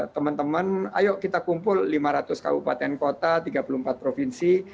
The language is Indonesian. teman teman ayo kita kumpul lima ratus kabupaten kota tiga puluh empat provinsi